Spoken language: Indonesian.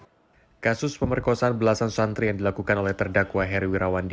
hai kasus pemerkosaan belasan santri yang dilakukan oleh terdakwa heri wirawan di